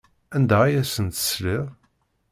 Anda ay asent-tesliḍ?